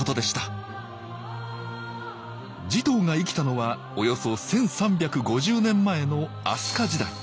持統が生きたのはおよそ１，３５０年前の飛鳥時代。